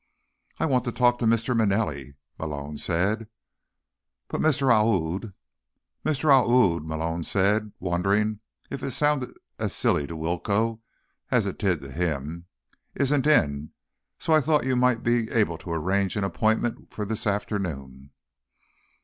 "I want to talk to Mr. Manelli," Malone said. "But Mr. Aoud—" "Mr. Aoud," Malone said, wondering if it sounded as silly to Willcoe as it did to him, "isn't in. So I thought you might be able to arrange an appointment for this afternoon."